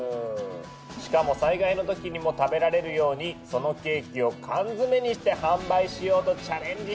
しかも災害の時にも食べられるようにそのケーキを缶詰にして販売しようとチャレンジしているんですよ。